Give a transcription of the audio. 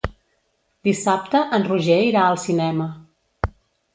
Dissabte en Roger irà al cinema.